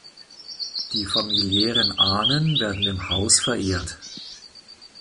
Die familiären Ahnen werden im Haus verehrt.